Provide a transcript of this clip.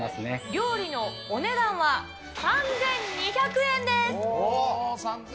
料理のお値段は、３２００円３２００円。